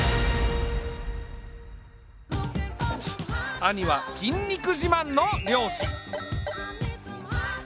兄は筋肉自慢の漁師。